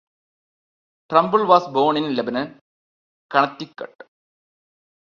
Trumbull was born in Lebanon, Connecticut.